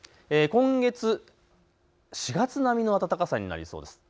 今月、４月並み並みの暖かさになりそうです。